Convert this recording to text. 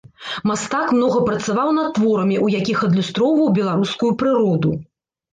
Мастак многа працаваў над творамі, у якіх адлюстроўваў беларускую прыроду.